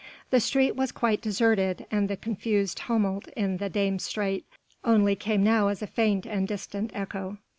The street was quite deserted and the confused tumult in the Dam Straat only came now as a faint and distant echo.